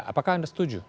apakah anda setuju